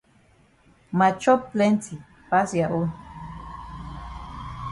Ma chop plenti pass ya own.